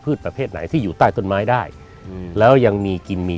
ประเภทไหนที่อยู่ใต้ต้นไม้ได้อืมแล้วยังมีกินมี